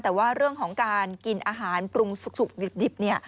แต่ว่าเรื่องของการกินอาหารปรุงสุกดิบ